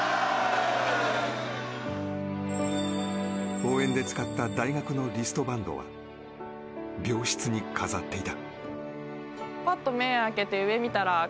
応援で使った大学のリストバンドは病室に飾っていた。